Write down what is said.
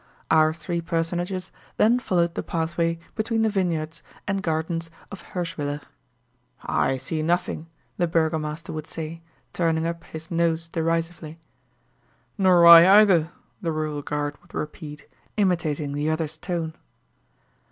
Our three personages then followed the pathway between the vineyards and gardens of Hirschwiller. "I see nothing," the burgomaster would say, turning up his nose derisively. "Nor I either," the rural guard would repeat, imitating the other's tone.